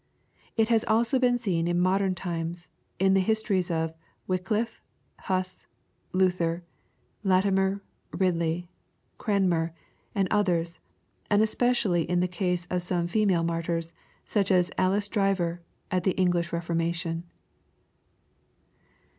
It has also been seen in modern times, in the his tories of Wickhffe, Huss, Luther, Latimer, Ridley, Cranmer, and others, and especially in the case of some female martyrs, suck •;» Alice Drivei*, at the English BefornaatioD.